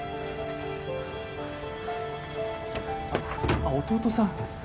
あっ弟さん。